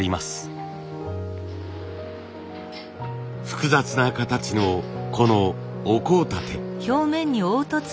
複雑な形のこのお香立て。